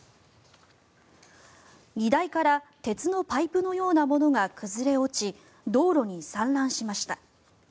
荷台から鉄のパイプのようなものが崩れ落ち道路に散乱しました。